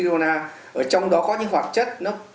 ở trong đó có những hoạt chất